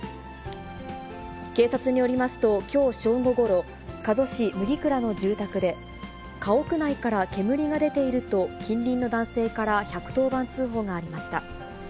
警察によりますと、きょう正午ごろ、加須市麦倉の住宅で、家屋内から煙が出ていると、近隣の男性から１１０番通報がありました。